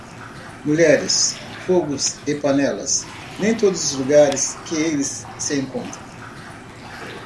Mulheres, fogo e panelas, em todos os lugares que eles se encontram.